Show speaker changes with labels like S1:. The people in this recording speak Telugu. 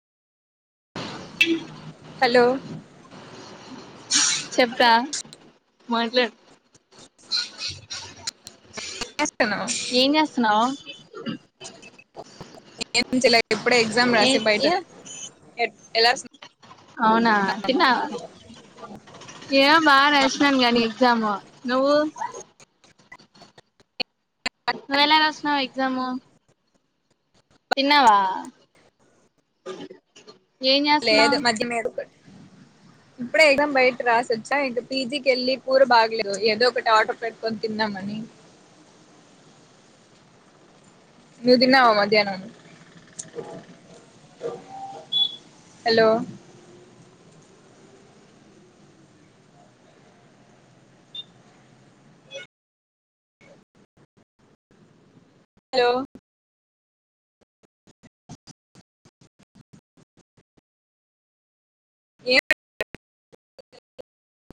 S1: హలో
S2: చెప్తారా మాట్లాడు
S1: చేస్తున్నావు
S2: ఏం చేస్తున్నావు
S1: ఎడ్‌పిన్చాలే
S2: ఏ ఏ
S1: ఎట్- ఎలా వస్తుందో
S2: అవునా తన్నావా ఏ బాగా రషీనా గానీ ఎగ్జామ్ నువ్వు నువు ఎలా రషినావ్ ఎక్జాము తిన్నవా
S1: లేదు మధ్యే ఇప్పుడే ఎదం బయట రాసొచ్చా ఇంక పీజీకి వెళ్ళి పూర బాగలేదు ఏదో ఒకటి ఆటో పెట్టుకొని తిన్నాామని ను దినవ మధ్యాహ్నను హలో హలో ఏ